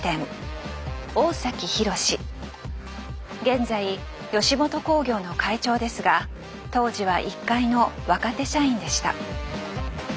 現在吉本興業の会長ですが当時は一介の若手社員でした。